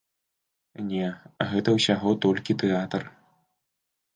Не, гэта ўсяго толькі тэатр.